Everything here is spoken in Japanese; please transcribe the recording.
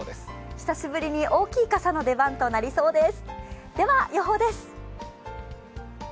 久しぶりに大きい傘の出番となりそうです。